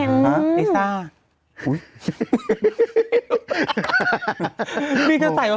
คุณแม่ของคุณแม่ของคุณแม่ของคุณแม่